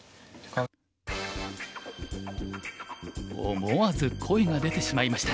思わず声が出てしまいました。